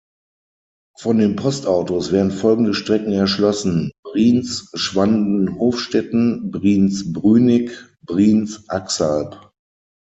Von den Postautos werden folgende Strecken erschlossen: Brienz–Schwanden–Hofstetten, Brienz–Brünig, Brienz–Axalp.